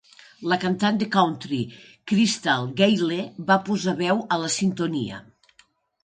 La cantant de "country" Crystal Gayle va posar veu a la sintonia.